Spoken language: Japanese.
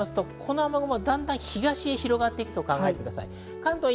雨雲は東へ広がっていくと考えてください。